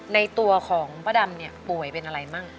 ในตัวของพระดามป่วยเป็นอะไรบ้าง